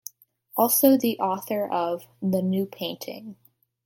Also the author of "The New Painting".